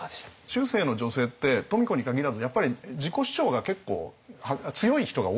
中世の女性って富子に限らずやっぱり自己主張が結構強い人が多いんですよ。